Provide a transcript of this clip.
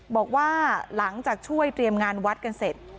บอกว่าหลังจากช่วยเตรียมงานวัดกันเสร็จ